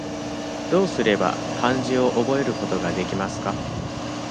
どうすれば、漢字を覚えることができますか。